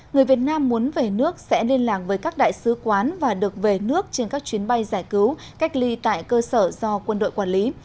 người việt nam muốn về nước sẽ liên lạc với các đại sứ quán và được về nước trên các chuyến bay giải cứu cách ly tại cơ sở do quân đội quản lý